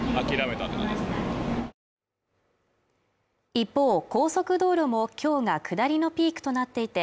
一方高速道路も今日が下りのピークとなっていて